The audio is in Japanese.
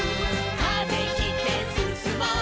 「風切ってすすもう」